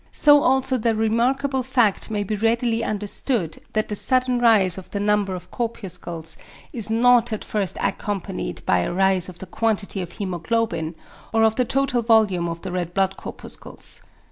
So also the remarkable fact may be readily understood that the sudden rise of the number of corpuscles is not at first accompanied by a rise of the quantity of hæmoglobin, or of the total volume of the red blood corpuscles.